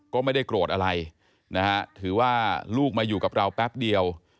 ก็ไม่ได้โกรธอะไรนะฮะถือว่าลูกมาอยู่กับเราแป๊บเดียว